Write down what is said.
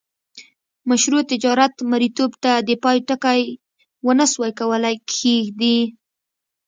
مشروع تجارت مریتوب ته د پای ټکی ونه سوای کولای کښيږدي.